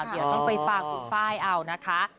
เนี่ยต้องไปฟากต้นน้ำป้ายเอานะคะ